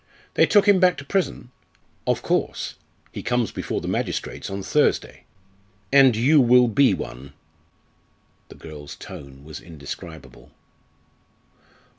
"They took him back to prison?" "Of course. He comes before the magistrates on Thursday." "And you will be one!" The girl's tone was indescribable.